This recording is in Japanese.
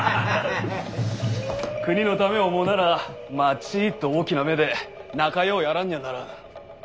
国のためを思うならまちっと大きな目で仲ようやらんにゃならん。